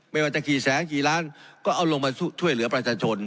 ไม่ว่าจะกี่แสนกี่ล้านก็เอาลงมาช่วยเหลือประชาชน